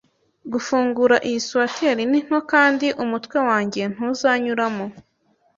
Gufungura iyi swater ni nto kandi umutwe wanjye ntuzanyuramo.